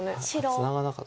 ツナがなかった。